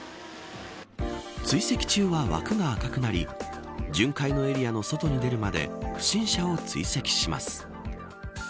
追跡中は、枠が赤くなり巡回のエリアの外に出るまで不審者を追跡します。